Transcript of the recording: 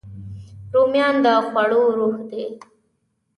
رومیان د خوړو روح دي